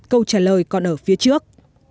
câu trả lời còn ở phía trước